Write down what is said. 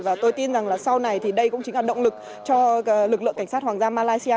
và tôi tin rằng là sau này thì đây cũng chính là động lực cho lực lượng cảnh sát hoàng gia malaysia